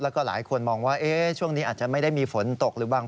แล้วก็หลายคนมองว่าช่วงนี้อาจจะไม่ได้มีฝนตกหรือบาง